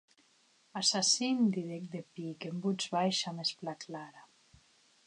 Assassin, didec de pic, en votz baisha mès plan clara.